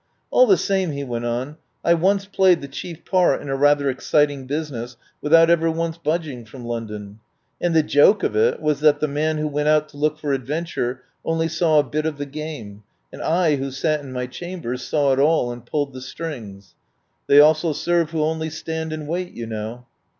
"All the same," he went on, "I once played the chief part in a rather exciting business without ever once budging from London. And the joke of it was that the man who went out to look for adventure only saw a bit of the game, and I who sat in my chambers saw it all and pulled the strings. 'They also serve who only stand and wait,' you know."